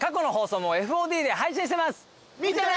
見てね！